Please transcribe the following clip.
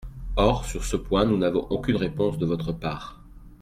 Or sur ce point nous n’avons aucune réponse de votre part.